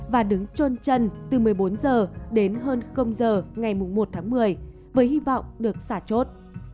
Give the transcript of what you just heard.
và đứng trôn chân từ một mươi bốn h đến hơn giờ ngày một tháng một mươi với hy vọng được xả chốt